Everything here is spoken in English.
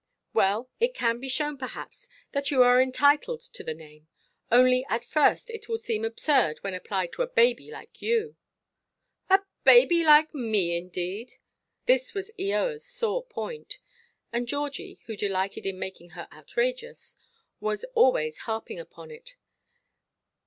"Well, it can be shown, perhaps, that you are entitled to the name. Only at first it will seem absurd when applied to a baby like you." "A baby like me, indeed!" This was Eoaʼs sore point; and Georgie, who delighted in making her outrageous, was always harping upon it.